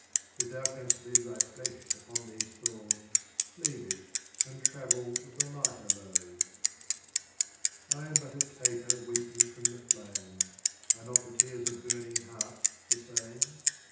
If thou canst leave thy Flesh upon these Thorns, Leave it, and travel with a Lighter Load. 49. I am but a Taper weeping from the Flame : Are not the Tears of Burning Hearts the same